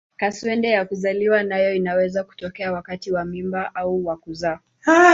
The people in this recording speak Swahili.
Kaswende ya kuzaliwa nayo inaweza kutokea wakati wa mimba au wa kuzaa.